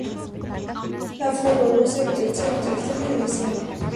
La floración se produce entre julio y diciembre.